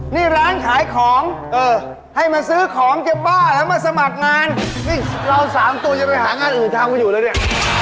นี่ร้านขายของเออให้มาซื้อของจะบ้าแล้วมาสมัครงานนี่เราสามตัวจะไปหางานอื่นทำกันอยู่แล้วเนี่ย